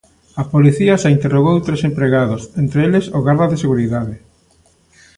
A policía xa interrogou tres empregados, entre eles o garda de seguridade.